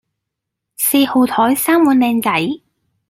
四號枱三碗靚仔